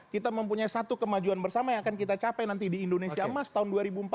kita mempunyai satu kemajuan bersama yang akan kita capai nanti di indonesia emas tahun dua ribu empat puluh lima